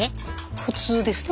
普通ですね